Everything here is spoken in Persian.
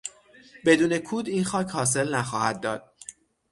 بدون کود این خاک حاصل نخواهد داد.